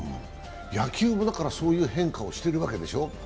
野球も、そういう変化をしてるわけでしょ？